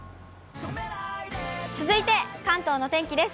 続いて関東の天気です。